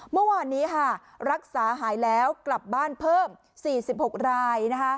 เมื่อวานนี้รักษาหายแล้วกลับบ้านเพิ่ม๔๖ราย